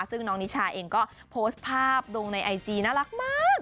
ซึ่งน้องนิชาเองก็โพสต์ภาพลงในไอจีน่ารักมาก